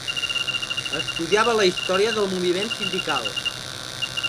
Estudiava la història del moviment sindical.